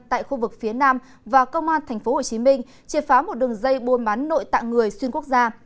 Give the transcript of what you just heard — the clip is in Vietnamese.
tại khu vực phía nam và công an tp hcm triệt phá một đường dây buôn bán nội tạng người xuyên quốc gia